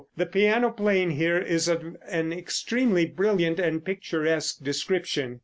The piano playing here is of an extremely brilliant and picturesque description.